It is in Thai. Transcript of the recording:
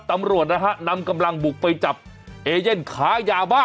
ตำรวจนะฮะนำกำลังบุกไปจับเอเย่นขายาบ้า